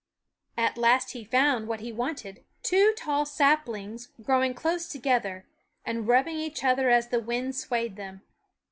At last he found what he wanted, two tall saplings growing close together and rubbing each other as the wind swayed them.